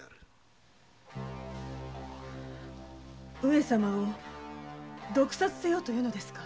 上様を毒殺せよと言うのですか！？